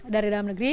dari dalam negeri